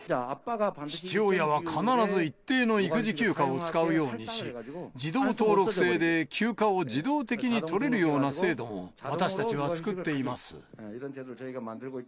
父親は必ず一定の育児休暇を使うようにし、自動登録制で休暇を自動的に取れるような制度も私たちは作っています。